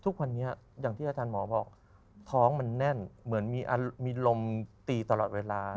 ทุกวันนี้อย่างที่อาจารย์หมอบอกท้องมันแน่นเหมือนมีลมตีตลอดเวลา